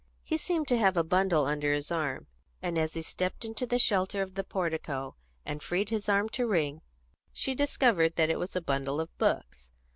He seemed to have a bundle under his arm, and as he stepped into the shelter of the portico, and freed his arm to ring, she discovered that it was a bundle of books.